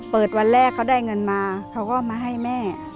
วันแรกเขาได้เงินมาเขาก็มาให้แม่